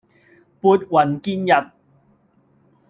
撥雲見日